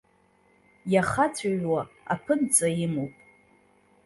Иахаҵәиуа аԥынҵа имоуп.